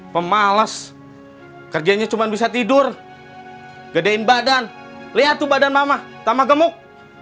pemalas kerjanya cuma bisa tidur gedein badan lihat tuh badan mama tambah gemuk